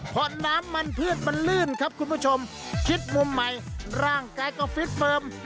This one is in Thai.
เพราะน้ำมันพืชมันลื่นครับคุณผู้ชมคิดมุมใหม่ร่างกายก็ฟิตเฟิร์ม